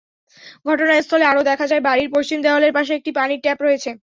ঘটনাস্থলে আরও দেখা যায়, বাড়ির পশ্চিম দেয়ালের পাশে একটি পানির ট্যাপ রয়েছে।